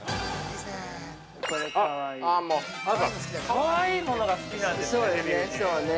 ◆かわいいものが好きなんですね